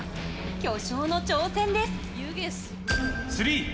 巨匠の挑戦です。